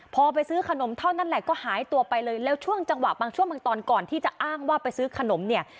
พอไปซื้อขนมเท่านั้นแหละก็หายตัวไปเลยแล้วช่วงจังหวะบางช่วงบางตอนก่อนที่จะอ้างว่าไปซื้อขนมเนี่ย